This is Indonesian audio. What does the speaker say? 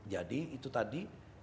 jadi itu tadi